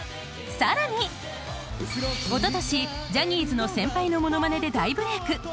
［さらにおととしジャニーズの先輩の物まねで大ブレーク］